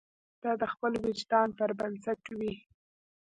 دا د خپل وجدان پر بنسټ وي.